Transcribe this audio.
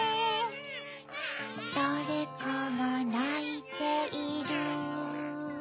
だれかがないている